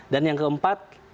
dan yang keempat